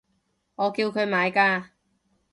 我叫佢買㗎